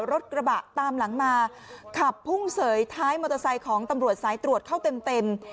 รถกระบะตามหลังมาขับพุ่งเสยท้ายมอเตอร์ไซค์ของตำรวจสายตรวจเข้าเต็มเต็ม